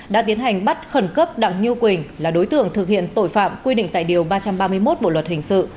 đã tiến hành bắt khẩn cấp đặng như quỳnh là đối tượng thực hiện tội phạm quy định tại điều ba trăm ba mươi một bộ luật hình sự